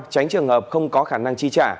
tránh trường hợp không có khả năng chi trả